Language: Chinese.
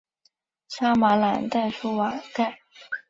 沙马朗代舒瓦盖。